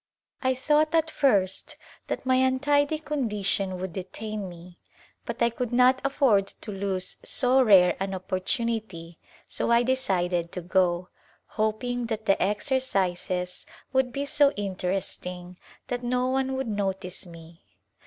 I thought at first that my untidy A G In } Ipse of India condition would detain me, but I could not afford to lose so rare an opportunity so I decided to go, hoping that the exercises would be so interesting that no one would notice me.